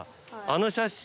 あの写真。